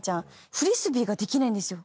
フリスビーができないんですよ。